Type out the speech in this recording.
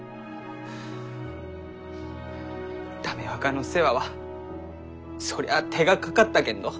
駄目若の世話はそりゃあ手がかかったけんど。